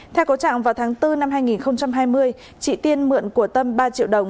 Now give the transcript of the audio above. theo có trạng vào tháng bốn năm hai nghìn hai mươi chị tiên mượn của tâm ba triệu đồng